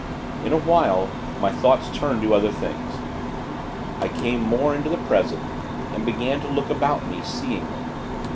In a while, my thoughts turned to other things. I came more into the present, and began to look about me, seeingly.